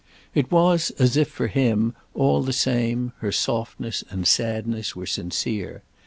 It was as if, for him, all the same, her softness and sadness were sincere.